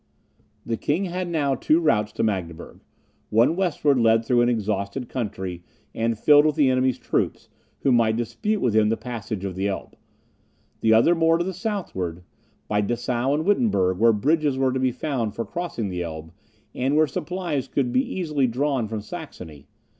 The king had now two routes to Magdeburg; one westward led through an exhausted country, and filled with the enemy's troops, who might dispute with him the passage of the Elbe; the other more to the southward, by Dessau and Wittenberg, where bridges were to be found for crossing the Elbe, and where supplies could easily be drawn from Saxony.